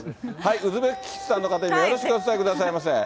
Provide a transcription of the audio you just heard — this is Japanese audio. ウズベキスタンの方にもよろしくお伝えくださいませ。